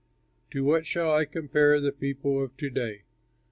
"To what shall I compare the people of to day?